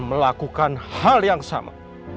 melakukan hal yang sama